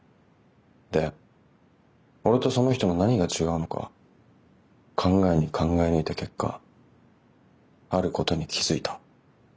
で俺とその人の何が違うのか考えに考え抜いた結果あることに気付いた。